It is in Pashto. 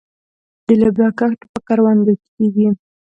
د لوبیا کښت په کروندو کې کیږي.